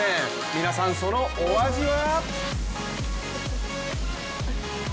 皆さん、そのお味は？